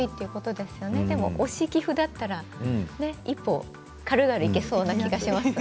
でも、推し寄付だったら一個軽々できそうな気がしますね。